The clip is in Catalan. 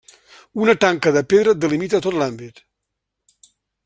Una tanca de pedra delimita tot l'àmbit.